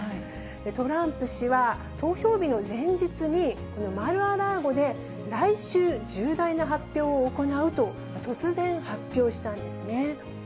トランプ氏は、投票日の前日に、マル・ア・ラーゴで来週、重大な発表を行うと、突然発表したんですね。